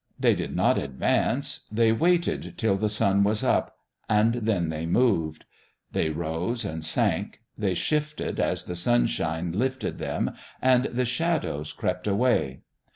They did not advance; they waited till the sun was up and then they moved; they rose and sank; they shifted as the sunshine lifted them and the shadows crept away.